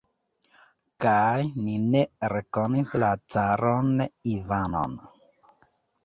Kaj ni ne rekonis la caron Ivanon!